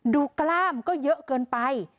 กล้ามก็เยอะเกินไป